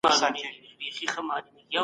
بریتانوي پوهانو هم خپل نظریات شریک کړل.